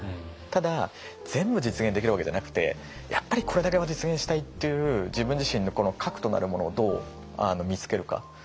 ただ全部実現できるわけじゃなくてやっぱりこれだけは実現したいっていう自分自身の核となるものをどう見つけるか。